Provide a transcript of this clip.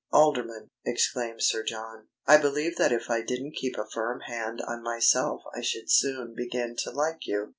"Alderman," exclaimed Sir John, "I believe that if I didn't keep a firm hand on myself I should soon begin to like you!